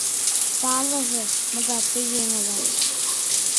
Палыже, могай тый еҥ улат!